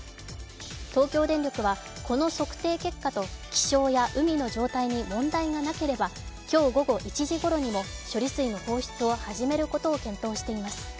東京電力はこの測定結果と気象や海の状態に問題がなければ今日午後１時ごろにも処理水の放出を始めることを検討しています。